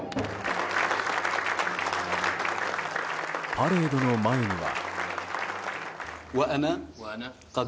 パレードの前には。